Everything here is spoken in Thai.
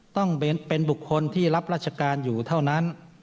ต้องเป็นบุคคลที่รับราชการอยู่เท่านั้น